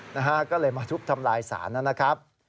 นะฮะก็เลยมาทุบทำลายศาลนะครับ